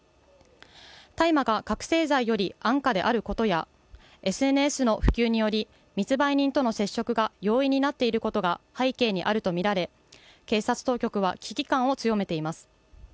大麻が覚醒剤より安価であることや、ＳＮＳの普及により、密売人との接触が容易になっていることが背景にあるとみられ、警察当局は危機感を強めています。